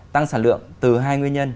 tăng sản lượng từ hai nguyên nhân